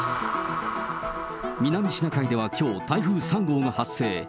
南シナ海ではきょう、台風３号が発生。